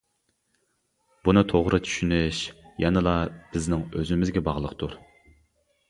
بۇنى توغرا چۈشىنىش يەنىلا بىزنىڭ ئۆزىمىزگە باغلىقتۇر.